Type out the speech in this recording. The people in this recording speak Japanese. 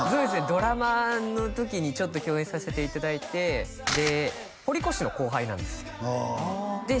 ドラマの時にちょっと共演させていただいてで堀越の後輩なんですああで